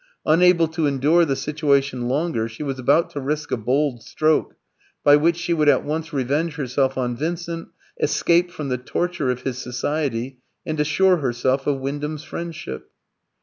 Unable to endure the situation longer, she was about to risk a bold stroke, by which she would at once revenge herself on Vincent, escape from the torture of his society, and assure herself of Wyndham's friendship.